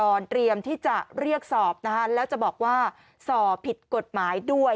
เตรียมที่จะเรียกสอบนะคะแล้วจะบอกว่าส่อผิดกฎหมายด้วย